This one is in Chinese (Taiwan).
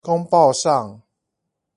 公報上